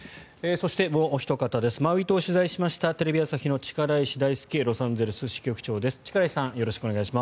そしてもうおひと方マウイ島を取材しましたテレビ朝日の力石大輔ロサンゼルス支局長。